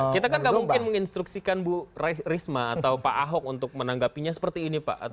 kita kan gak mungkin menginstruksikan bu risma atau pak ahok untuk menanggapinya seperti ini pak